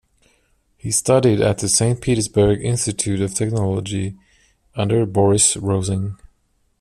He studied at the Saint Petersburg Institute of Technology, under Boris Rosing.